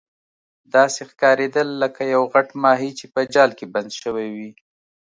داسې ښکاریدل لکه یو غټ ماهي چې په جال کې بند شوی وي.